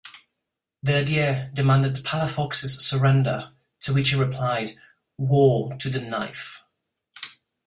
Verdier demanded Palafox's surrender to which he replied "War to the knife".